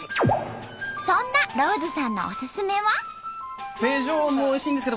そんなローズさんのおすすめは？